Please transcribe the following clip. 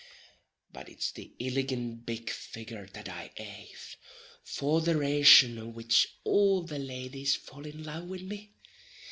But it's the illigant big figgur that I 'ave, for the rason o' which all the ladies fall in love wid me.